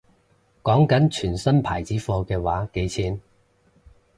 講緊全新牌子貨嘅話幾錢